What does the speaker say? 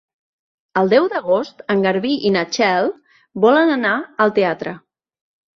El deu d'agost en Garbí i na Txell volen anar al teatre.